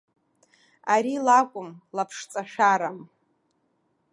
Ари лакәым, лаԥшҵашәарам.